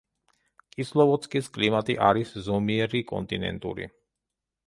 კისლოვოდსკის კლიმატი არის ზომიერი კონტინენტური.